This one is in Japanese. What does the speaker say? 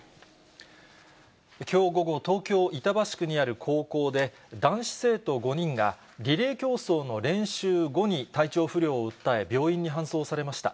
きょう午後、東京・板橋区にある高校で、男子生徒５人が、リレー競争の練習後に体調不良を訴え、病院に搬送されました。